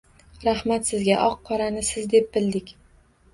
Rahmat sizga oq qorani siz deb bildik